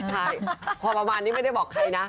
ใช่พอประมาณนี้ไม่ได้บอกใครนะ